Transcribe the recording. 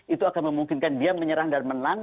itu akan memungkinkan dia menyerang dan menang